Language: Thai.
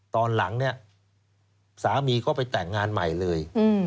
ตอนหลังเนี่ยสามีก็ไปแต่งงานใหม่เลย